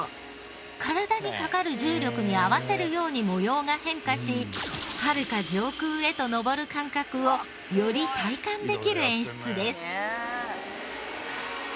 体にかかる重力に合わせるように模様が変化しはるか上空へと昇る感覚をより体感できる演出です。